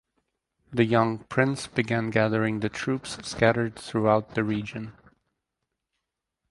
The young prince began gathering the troops scattered throughout the region.